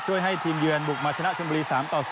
ให้ทีมเยือนบุกมาชนะชนบุรี๓ต่อ๐